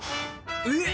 えっ！